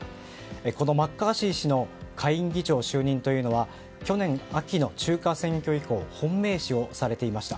このマッカーシー氏の下院議長就任というのは去年秋の中間選挙以降本命視をされていました。